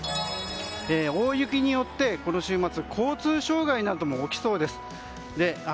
大雪によってこの週末交通障害なども起きそうです。